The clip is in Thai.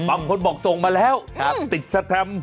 บางคนบอกส่งมาแล้วติดสแทม์